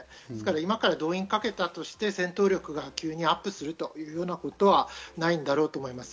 今から動員をかけたとして、戦闘力が急にアップするということはないんだろうと思います。